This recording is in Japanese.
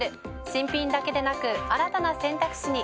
新品だけでなく新たな選択肢に。